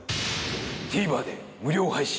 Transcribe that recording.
ＴＶｅｒで無料配信。